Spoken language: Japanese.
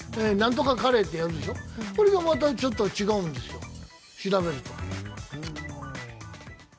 何とかカレーってやるでしょう、これがまた違うんですよ。